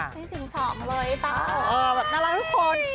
ใช้จึงสอบเลยบ้างน่ารักทุกคน